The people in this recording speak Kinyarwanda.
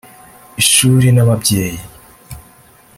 Ishuri n’ababyeyi